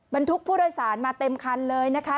บรรทุกผู้โดยสารมาเต็มคันเลยนะคะ